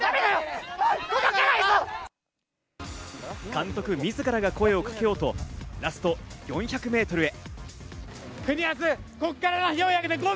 監督みずからが声をかけようとラスト４００メートルへ。